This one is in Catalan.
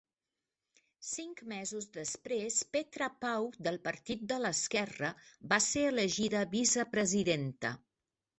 Cinc mesos després, Petra Pau, del partit de l'esquerra, va ser elegida vice-presidenta.